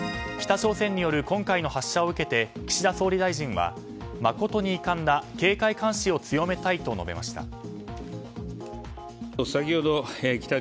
北朝鮮による今回の発射を受けて岸田総理大臣は誠に遺憾だ警戒監視を強めたいと述べました。